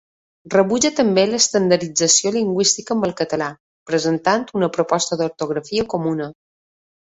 Rebutja també l'estandardització lingüística amb el català, presentant una proposta d'ortografia comuna.